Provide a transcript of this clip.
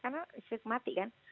karena istriku mati kan